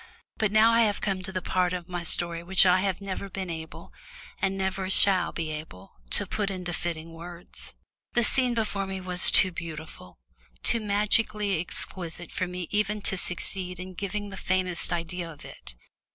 But now I have come to a part of my story which I have never been able, and never shall be able, to put into fitting words. The scene before me was too beautiful, too magically exquisite for me even to succeed in giving the faintest idea of it.